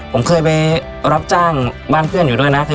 ผมเคยไปรับจ้างบ้านเพื่อนอยู่ด้วยนะ